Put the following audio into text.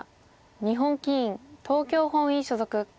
日本棋院東京本院所属。